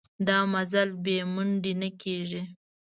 دا مزل بې منډې نه کېږي.